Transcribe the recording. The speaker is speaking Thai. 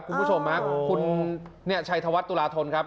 คุณผู้ชมคุณชัยธวัฒนตุลาธนครับ